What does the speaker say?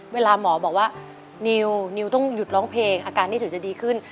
เวลาหมอบอกว่านิวนิวต้องหยุดร้องเพลงอาการนี้ถึงจะดีขึ้น